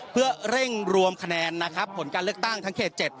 เพื่อเร่งรวมคะแนนนะครับผลการเลือกตั้งทั้งเขต๗